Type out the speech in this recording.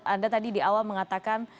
anda tadi di awal mengatakan